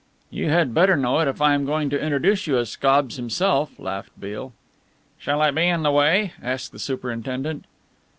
"You had better know it if I am going to introduce you as Scobbs himself," laughed Beale. "Shall I be in the way?" asked the superintendent.